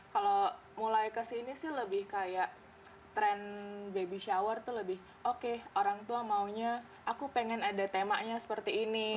kalau mulai kesini sih lebih kayak tren baby shower tuh lebih oke orang tua maunya aku pengen ada temanya seperti ini